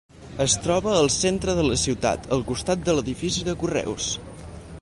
Es troba al centre de la ciutat al costat de l'edifici de correus.